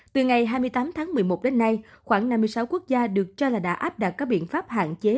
từ ngày hai mươi tám tháng một mươi một đến nay khoảng năm mươi sáu quốc gia được cho là đã áp đặt các biện pháp hạn chế